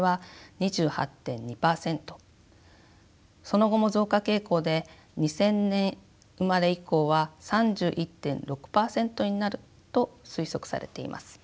その後も増加傾向で２０００年生まれ以降は３１．６％になると推測されています。